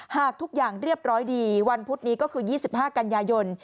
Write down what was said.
หากทุกอย่างเรียบร้อยดีวันพุธนี้ก็คือ๒๕กันยายน